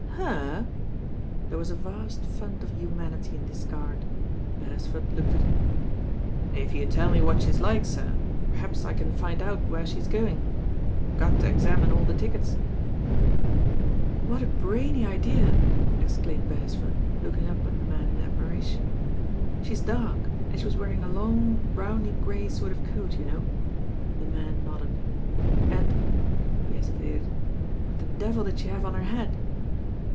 "Herl" There was a vast fund of humanity in this guard. Beresford looked at him. "If you tell me what she is like, sir, perhaps I can find out where she's going. I've got to examine all the tickets." "What a brainy idea," exclaimed Beresford, look ing up at the man in admiration. "She's dark, and she was wearing a long, browny grey sort of coat, you know." The man nodded. "And " he hesitated. "What the devil did she have on her head?"